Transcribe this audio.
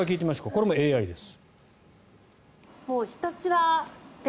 これもＡＩです。